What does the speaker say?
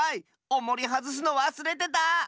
おもりはずすのわすれてた！